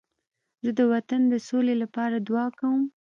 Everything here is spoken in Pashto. زه د وطن د سولې لپاره دعا کوم.